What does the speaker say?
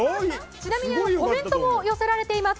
ちなみに、コメントも寄せられています。